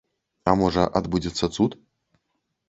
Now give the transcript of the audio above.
А можа, адбудзецца цуд?